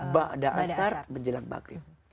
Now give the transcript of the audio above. mada asar menjelang maghrib